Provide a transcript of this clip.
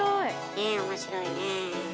ねえ面白いねえ。